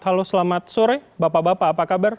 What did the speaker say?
halo selamat sore bapak bapak apa kabar